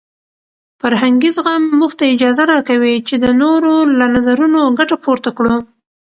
فرهنګي زغم موږ ته اجازه راکوي چې د نورو له نظرونو ګټه پورته کړو.